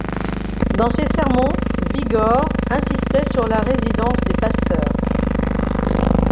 Dans ses sermons, Vigor insistait sur la résidence des pasteurs.